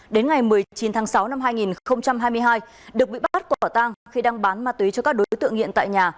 đến ngày một mươi chín tháng sáu năm hai nghìn hai mươi hai được bị bắt quả tang khi đang bán ma túy cho các đối tượng nghiện tại nhà